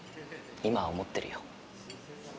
今は思ってるよ。